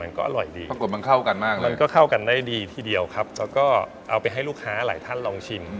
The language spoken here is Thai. มันก็อร่อยดีมันก็เข้ากันได้ดีทีเดียวครับแล้วก็เอาไปให้ลูกค้าหลายท่านลองชิม